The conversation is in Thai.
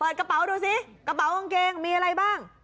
กระเป๋าดูสิกระเป๋ากางเกงมีอะไรบ้าง